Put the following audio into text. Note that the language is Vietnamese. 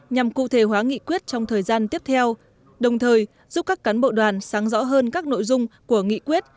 nhằm cụ thể hóa nghị quyết trong thời gian tiếp theo đồng thời giúp các cán bộ đoàn sáng rõ hơn các nội dung của nghị quyết